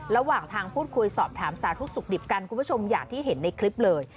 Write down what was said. ระหว่างทางพูดคุยสอบถามสาธุสุขดิบกันคุณผู้ชมอย่างที่เห็นในคลิปเลย